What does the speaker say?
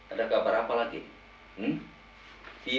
ada kabar abang yang ada di dalam hati saya